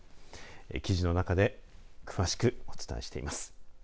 記事の中で詳しくお伝えしています。